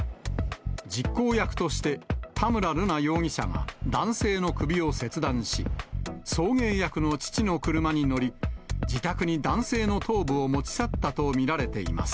実行役として、田村瑠奈容疑者が男性の首を切断し、送迎役の父の車に乗り、自宅に男性の頭部を持ち去ったと見られています。